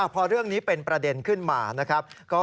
พอเรื่องนี้เป็นประเด็นขึ้นมา